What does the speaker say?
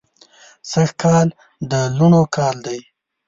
سږ کال د لوڼو کال دی